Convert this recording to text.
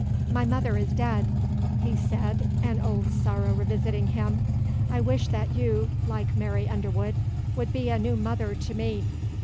"My mother is dead," he said, an old sorrow revisiting him. "I wish that you, like Mary Underwood, would be a new mother to me."